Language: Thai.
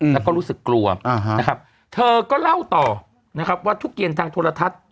แล้วก็รู้สึกกลัวนะครับเธอก็เล่าต่อนะครับว่าทุกเย็นทางโทรทัศน์